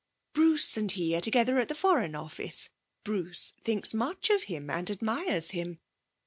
'Bruce and he are together at the Foreign Office. Bruce thinks much of him, and admires him.